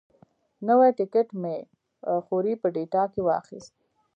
نوی ټکټ مې خوریي په ډیلټا کې واخیست.